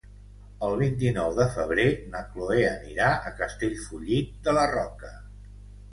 El vint-i-nou de febrer na Cloè anirà a Castellfollit de la Roca.